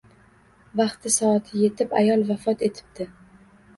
Vaqti-soati yetib, ayol vafot etibdi.